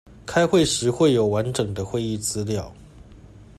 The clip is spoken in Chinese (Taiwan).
開會時有完整的會議資料